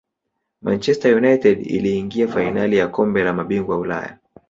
manchester united iliingia fainali ya kombe la mabingwa ulaya